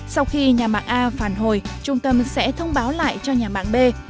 sau khi nhà mạng a phản hồi trung tâm sẽ thông báo lại cho nhà mạng b